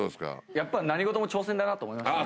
やっぱ何事も挑戦だなって思いましたね。